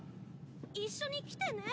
一緒に来てね。